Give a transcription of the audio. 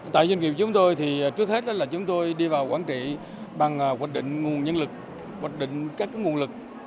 tại doanh nghiệp chúng tôi thì trước hết là chúng tôi đi vào quản trị bằng vật định nguồn nhân lực vật định các nguồn lực